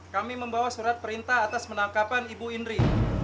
kami membawa surat perintah atas penangkapan ibu indri